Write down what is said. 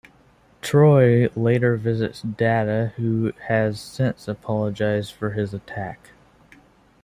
Troi later visits Data, who has since apologized for his attack.